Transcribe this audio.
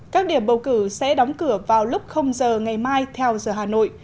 các điểm bầu cử sẽ đóng cửa vào lúc giờ ngày mai theo giờ hà nội